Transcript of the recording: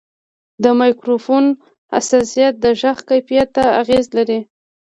د مایکروفون حساسیت د غږ کیفیت ته اغېز لري.